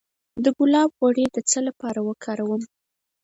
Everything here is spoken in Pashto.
د ګلاب غوړي د څه لپاره وکاروم؟